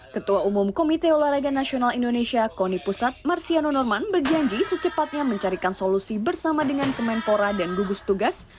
ketua umum komite olahraga nasional indonesia koni pusat marsiano norman berjanji secepatnya mencarikan solusi bersama dengan kemenpora dan gugus tugas